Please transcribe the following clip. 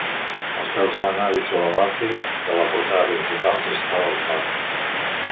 Als peus de la nau i sobre l'atri de la portada principal, s'instal·la el cor.